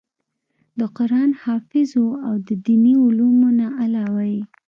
د قران حافظ وو او د ديني علومو نه علاوه ئې